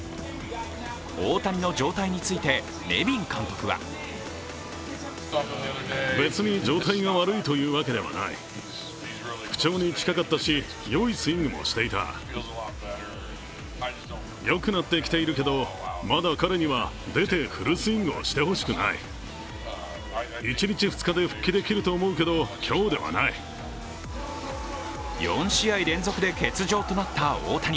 大谷の状態についてネビン監督は４試合連続で欠場となった大谷。